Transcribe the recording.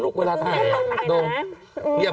กล้องกว้างอย่างเดียว